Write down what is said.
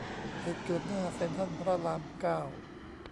เหตุเกิดหน้าเซ็นทรัลพระรามเก้า